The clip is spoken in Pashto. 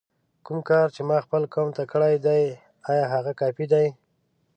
کوم کار چې ما خپل قوم ته کړی دی آیا هغه کافي دی؟!